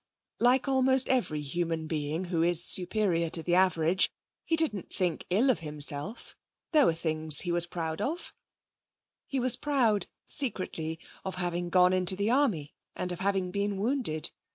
Like almost every human being who is superior to the average, he didn't think ill of himself; there were things that he was proud of. He was proud, secretly, of having gone into the army and of having been wounded.